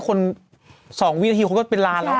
คนสองวินาทีเขาก็เป็นล้าแล้ว